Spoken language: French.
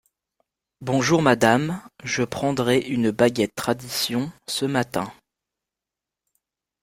Bonjour madame, je prendrai une baguette tradition ce matin.